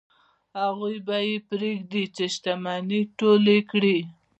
هغوی به یې پرېږدي چې شتمنۍ ټولې کړي.